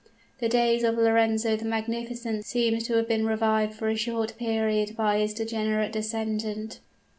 The days of Lorenzo the Magnificent seemed to have been revived for a short period by his degenerate descendant.